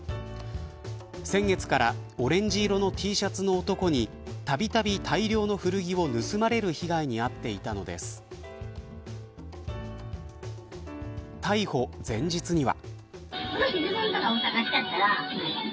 先月からオレンジ色のＴシャツの男にたびたび大量の古着を盗まれる被害に遭っていたのです逮捕前日には。